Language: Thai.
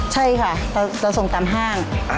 ใช่ค่ะเราส่งตามห้าง